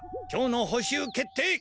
今日の補習決定！